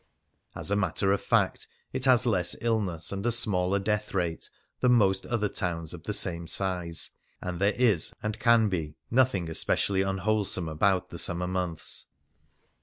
As a matter of fact, it has less illness and a smaller death rate than most other towns of the same size; and there is, and can be, nothing especially unwholesome about the summer months.